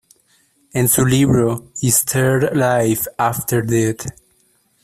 En su libro "Is There Life After Death?